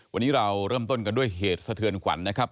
วันนี้เราเริ่มต้นกันด้วยเหตุสะเทือนขวัญนะครับ